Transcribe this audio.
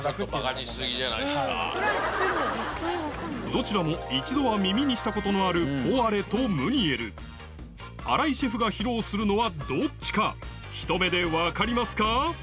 どちらも一度は耳にしたことのある荒井シェフが披露するのはどっちかひと目でわかりますか？